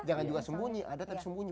jangan juga sembunyi anda tapi sembunyi